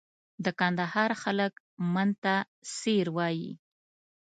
د کندهار خلک من ته سېر وایي.